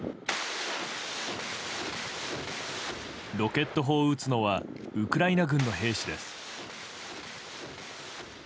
ロケット砲を撃つのはウクライナ軍の兵士です。